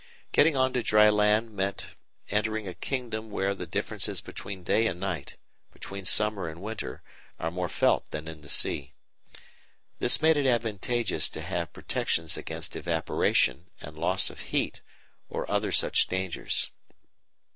Getting on to dry land meant entering a kingdom where the differences between day and night, between summer and winter are more felt than in the sea. This made it advantageous to have protections against evaporation and loss of heat and other such dangers.